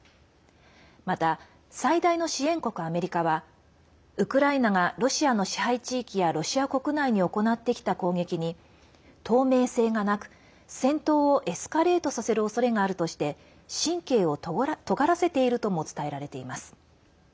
また、最大の支援国アメリカはウクライナがロシアの支配地域やロシア国内に行ってきた攻撃に透明性がなく、戦闘をエスカレートさせるおそれがあるとして神経をとがらせているとも伝えられています。